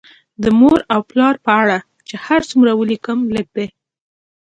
د مور او پلار په اړه چې هر څومره ولیکم لږ دي